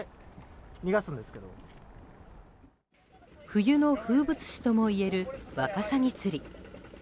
冬の風物詩ともいえるワカサギ釣り。